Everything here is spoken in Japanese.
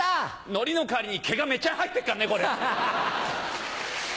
のりの代わりに毛がめっちゃ入ってるからねこれ！